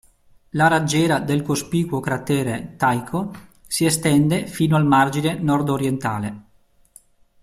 La raggiera del cospicuo cratere Tycho si estende fino al margine nordorientale.